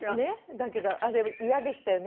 だけどあれ嫌でしたよね。